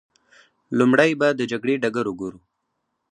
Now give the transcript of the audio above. لومړی به د جګړې ډګر وګورو.